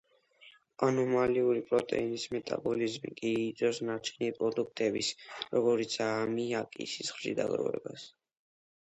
ანომალიური პროტეინის მეტაბოლიზმი კი იწვევს ნარჩენი პროდუქტების, როგორიცაა ამიაკი, სისხლში დაგროვებას.